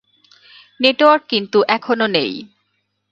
Network কিন্তু এখনো নেই।